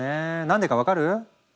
何でか分かる？